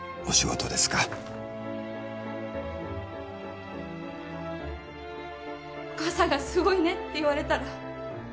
お母さんがすごいねって言われたら